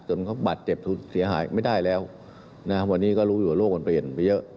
จนเขาบาดเจ็บเสียหายไม่ได้แล้วนะวันนี้ก็รู้อยู่ว่าโลกมันเปลี่ยนไปเยอะ